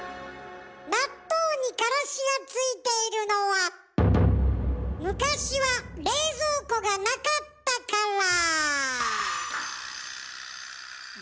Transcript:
納豆にからしがついているのは昔は冷蔵庫がなかったから。